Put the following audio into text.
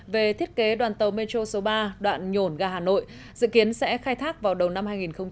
về thiết kế đoàn tàu metro số ba đoạn nhổn ga hà nội dự kiến sẽ khai thác vào đầu năm hai nghìn hai mươi